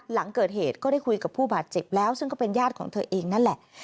หลังเกิดเหตุก็ได้คุยกับผู้บาดเจ็บแล้วซึ่งก็เป็นญาติของเธอเองนั่นแหละ